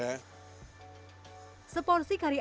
seporsi kari ayam atau kari sapi itu juga menarik